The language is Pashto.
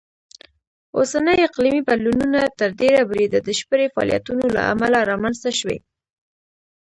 اوسني اقلیمي بدلونونه تر ډېره بریده د بشري فعالیتونو لهامله رامنځته شوي.